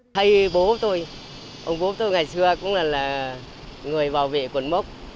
thầy bố tôi ông bố tôi ngày xưa cũng là người bảo vệ cột mốc